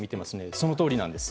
そのとおりなんです。